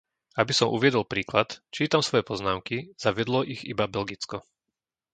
Aby som uviedol príklad, čítam svoje poznámky, zaviedlo ich iba Belgicko.